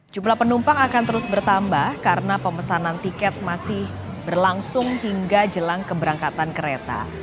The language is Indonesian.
jumlah penumpang akan terus bertambah karena pemesanan tiket masih berlangsung hingga jelang keberangkatan kereta